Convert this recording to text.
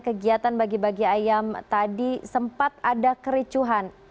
kegiatan bagi bagi ayam tadi sempat ada kericuhan